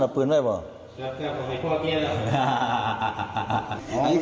จับเครื่องเข้าไปคั่วเกลี้ยแล้ว